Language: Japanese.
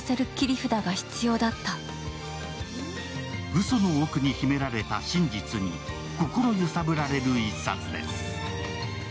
うその奥に秘められた真実に心揺さぶられる一冊です。